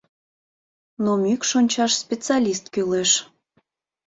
Но мӱкш ончаш специалист кӱлеш.